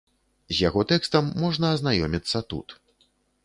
З яго тэкстам можна азнаёміцца тут.